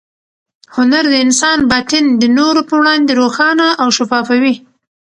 هنر د انسان باطن د نورو په وړاندې روښانه او شفافوي.